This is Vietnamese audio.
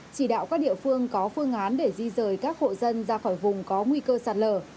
chỉ đạo các địa phương có phương án để di rời các hộ dân ra khỏi vùng có nguy cơ sạt lở